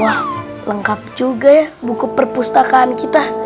wah lengkap juga ya buku perpustakaan kita